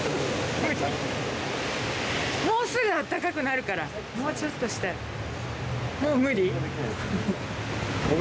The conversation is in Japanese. もうすぐあったかくなるからもうちょっとしたらもう無理？